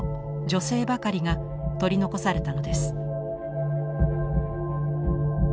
女性ばかりが取り残されたのです。